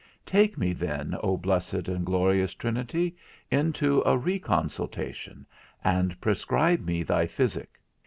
Take me, then, O blessed and glorious Trinity, into a reconsultation, and prescribe me any physic.